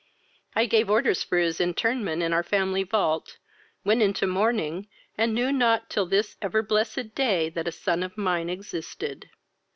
I gave orders for his interment in our family vault, went into mourning, and knew not till this ever blessed day that a son of mine existed.